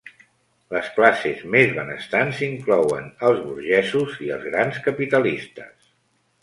Les classes més benestants inclouen els burgesos i els grans capitalistes.